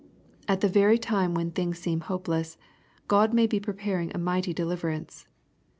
At the very time when things seem hopeless, God may be preparing a mighty deliverance.